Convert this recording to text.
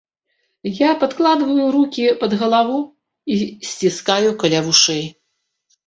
Я падкладваю рукі пад галаву і сціскаю каля вушэй.